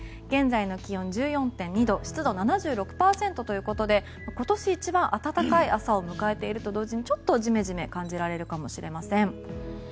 現在の気温、１４．２度湿度７６％ということで今年一番暖かい朝を迎えていると同時にちょっとジメジメ感じられるかもしれません。